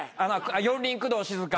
四輪駆動静香。